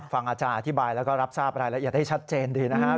ฟังอาจารย์อธิบายแล้วก็รับทราบรายละเอียดให้ชัดเจนดีนะครับ